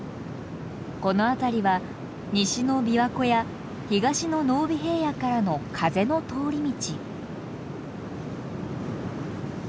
この辺りは西の琵琶湖や東の濃尾平野からの風の通り道。